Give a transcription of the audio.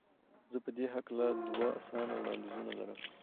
زه په دې هکله دوه اسانه وړاندیزونه لرم.